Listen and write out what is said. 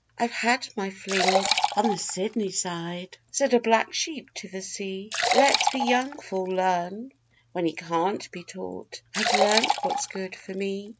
'I've had my fling on the Sydney side,' said a black sheep to the sea, 'Let the young fool learn when he can't be taught: I've learnt what's good for me.